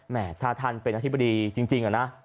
แหมถ้าท่านเป็นอธิบดีจริงเหรอนะ